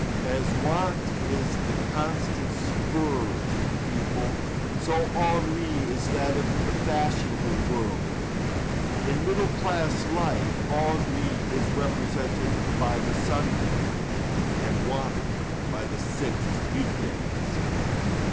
As want is the constant scourge of the people, so ennui is that of the fashionable world. In middle class life ennui is represented by the Sunday, and want by the six week days.